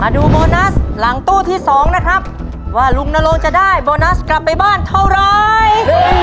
ดูโบนัสหลังตู้ที่๒นะครับว่าลุงนรงจะได้โบนัสกลับไปบ้านเท่าไร